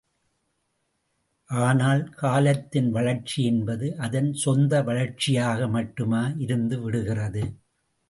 ஆனால், காலத்தின் வளர்ச்சி என்பது அதன் சொந்த வளர்ச்சியாக மட்டுமா இருந்துவிடுகிறது?